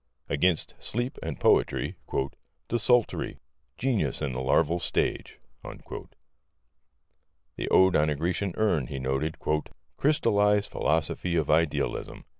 Against Sleep and Poetry: "Desultory. Genius in the larval state." The Ode on a Grecian Urn, he noted: "Crystallized philosophy of idealism.